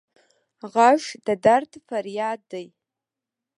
غږ د درد فریاد دی